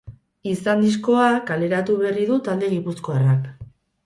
Izan diskoa kaleratu berri du talde gipuzkoarrak.